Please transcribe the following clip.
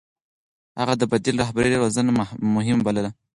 هغه د بديل رهبرۍ روزنه مهمه بلله.